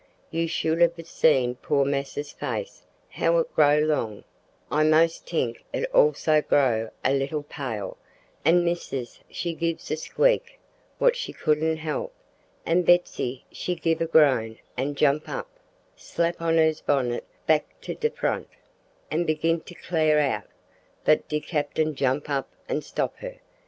you should hab see poor massa's face how it grow long, I most t'ink it also grow a leetil pale, an' missis she give a squeak what she couldn't help, an' Betsy she giv' a groan an' jump up, slap on hers bonnit, back to de front, an' begin to clar out, but de cappin jump up an' stop her.